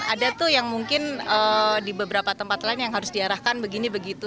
kan ada tuh yang mungkin di beberapa tempat lain yang harus diarahkan begini begitu